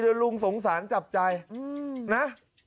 เดี๋ยวลุงสงสารจับใจนะ